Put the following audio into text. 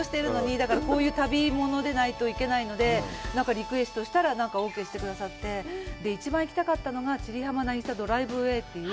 だから、こういう旅ものでないと行けないので、なんかリクエストしたら、オーケーしてくださって、一番行きたかったのが千里浜なぎさドライブウェイという。